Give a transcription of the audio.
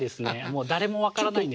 もう誰も分からない。